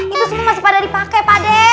itu semua masih pada dipake pade